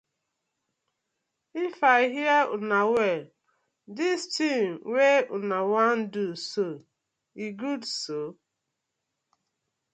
If I hear una well, dis ting wey una wan do so e good so.